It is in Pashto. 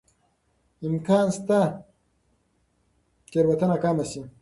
امکان شته تېروتنه کمه شي.